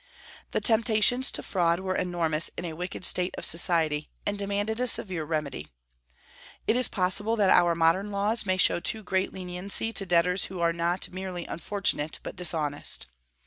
The temptations to fraud were enormous in a wicked state of society, and demanded a severe remedy. It is possible that our modern laws may show too great leniency to debtors who are not merely unfortunate, but dishonest.